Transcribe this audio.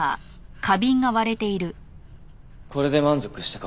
これで満足したか？